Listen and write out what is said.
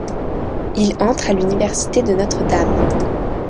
Il entre à l'université de Notre Dame.